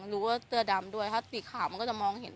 รู้ว่าเสื้อดำด้วยถ้าสีขาวมันก็จะมองเห็น